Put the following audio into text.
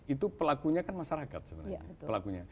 itu pelakunya kan masyarakat sebenarnya pelakunya